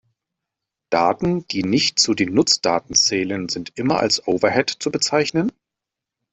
Daten, die nicht zu den Nutzdaten zählen, sind immer als Overhead zu bezeichnen?